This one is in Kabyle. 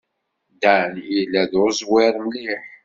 Dan yella d uẓwir mliḥ.